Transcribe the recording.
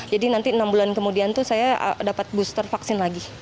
jadi nanti enam bulan kemudian tuh saya dapat booster vaksin lagi